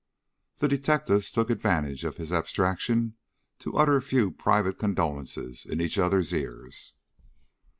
The detectives took advantage of his abstraction to utter a few private condolences in each other's ears.